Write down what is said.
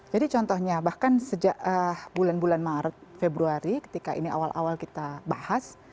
jadi contohnya bahkan sejak bulan bulan maret februari ketika ini awal awal kita bahas